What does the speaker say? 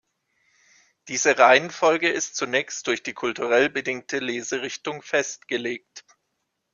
Diese Reihenfolge ist zunächst durch die kulturell bedingte Leserichtung festgelegt.